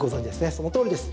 そのとおりです。